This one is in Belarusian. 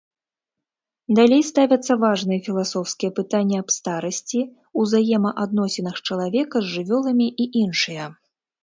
Далей ставяцца важныя філасофскія пытанні аб старасці, узаемаадносінах чалавека з жывёламі і іншыя.